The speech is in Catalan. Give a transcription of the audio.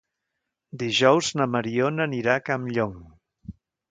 Dijous na Mariona anirà a Campllong.